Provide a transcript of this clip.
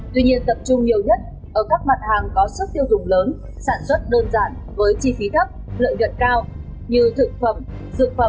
tuy nhiên tập trung nhiều nhất ở các mặt hàng có sức tiêu dùng lớn sản xuất đơn giản với chi phí thấp lợi nhuận cao như thực phẩm dược phẩm